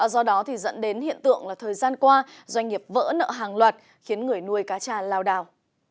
do đó thì dẫn đến hiện tượng là thời gian qua doanh nghiệp vỡ nợ hàng loạt khiến người nuôi cá tra lao đào